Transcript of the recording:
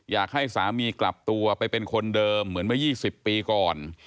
อยากให้สามีกลับตัวไปเป็นคนเดิมเหมือนเมื่อ๒๐ปีก่อน